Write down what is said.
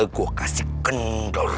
tunggu gue kasih kendor